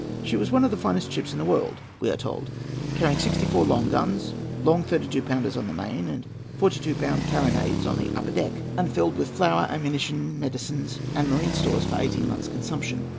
"She was one of the finest ships in the world," we are told, "carrying sixty four guns—long 32 pounders on the main, and 42 pound carronades on the upper deck—and was filled with flour, ammunition, medicines, and marine stores for eighteen months' consumption.